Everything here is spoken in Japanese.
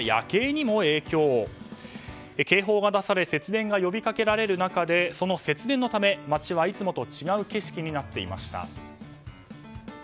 警報が出され節電が呼びかけられる中でその節電のため街はいつもと違う景色になっていました。